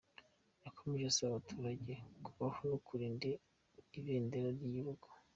Yakomeje asaba abaturage kubaha no kurinda ibendera ry’igihugu.